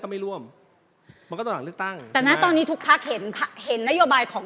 ไม่ร่วมมันก็ตอนหลังเลือกตั้งแต่นะตอนนี้ทุกพักเห็นเห็นนโยบายของ